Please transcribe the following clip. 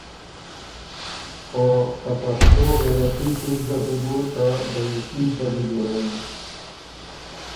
او ته پشتو غیرتي پِټ زر دی بو ته دئیسي دغی جوړَوِن۔